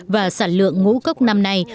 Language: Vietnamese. và sản lượng ngũ cốc năm nay